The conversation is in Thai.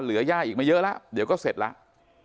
ย่าอีกไม่เยอะแล้วเดี๋ยวก็เสร็จแล้ว